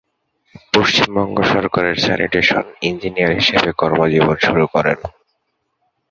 পশ্চিমবঙ্গ সরকারের sanitation engineer হিসাবে কর্মজীবন শুরু করেন।